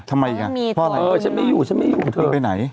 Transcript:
พ่ออะไรก็ไม่รู้นะฉันไม่อยู่เธอฉันไปไหน